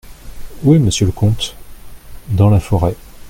Où est Monsieur le comte ? Dans la forêt.